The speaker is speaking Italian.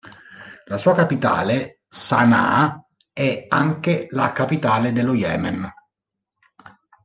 La sua capitale, Sana'a, è anche la capitale dello Yemen.